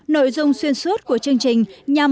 nội dung xuyên suốt của chương trình nhằm